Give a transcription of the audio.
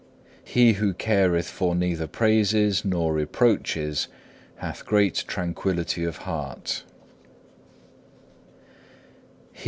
He who careth for neither praises nor reproaches hath great tranquillity of heart.